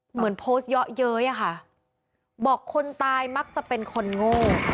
เหมือนโพสต์เยอะเย้ยอะค่ะบอกคนตายมักจะเป็นคนโง่